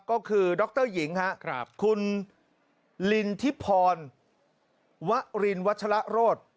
ก็คือดรหญิงครับคุณลินทิพรวรินวัชละโรธ